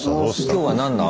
今日は何だ？